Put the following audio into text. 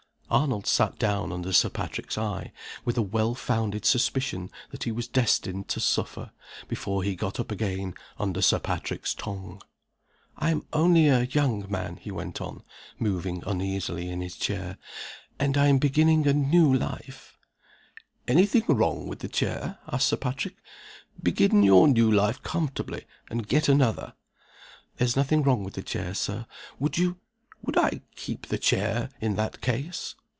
Arnold sat down under Sir Patrick's eye, with a well founded suspicion that he was destined to suffer, before he got up again, under Sir Patrick's tongue. "I am only a young man," he went on, moving uneasily in his chair, "and I am beginning a new life " "Any thing wrong with the chair?" asked Sir Patrick. "Begin your new life comfortably, and get another." "There's nothing wrong with the chair, Sir. Would you " "Would I keep the chair, in that case?